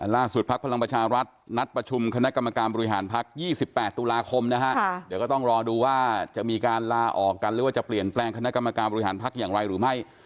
ภักดิ์พลังประชารัฐนัดประชุมคณะกรรมการบริหารพัก๒๘ตุลาคมนะฮะเดี๋ยวก็ต้องรอดูว่าจะมีการลาออกกันหรือว่าจะเปลี่ยนแปลงคณะกรรมการบริหารพักอย่างไรหรือไม่